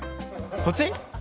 そっち？